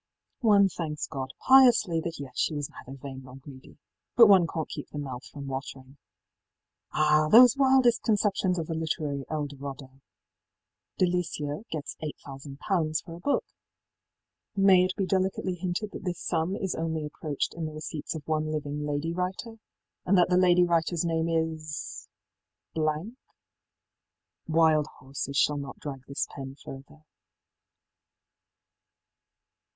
í One thanks God piously that yet she was neither vain nor greedy; but one canít keep the mouth from watering. Ah! those wildest conceptions of a literary El Dorado! ëDeliciaí gets 8,000L. for a book. May it be delicately hinted that this sum is only approached in the receipts of one living lady writer, and that the lady writerís name is ? Wild horses shall not drag this pen further.